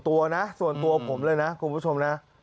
ตัวนะส่วนตัวผมเลยนะคุณผู้ชมนะ